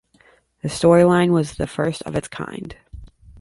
The storyline was the first of its kind.